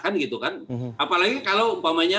apalagi kalau umpamanya